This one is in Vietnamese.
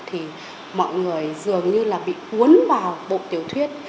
thì mọi người dường như là bị cuốn vào bộ tiểu thuyết